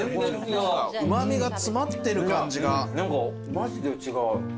マジで違う。